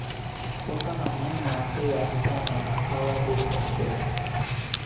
پوتا نا من مان ۿڦري عادتان نين آووا ۮيويون سي۔